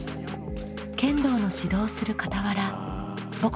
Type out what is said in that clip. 剣道の指導をするかたわら母国